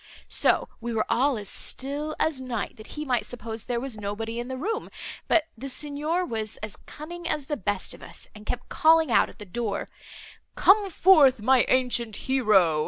So we were all as still as night, that he might suppose there was nobody in the room; but the Signor was as cunning as the best of us, and kept calling out at the door, 'Come forth, my ancient hero!